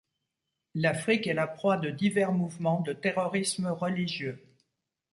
L'Afrique est la proie de divers mouvements de terrorisme religieux.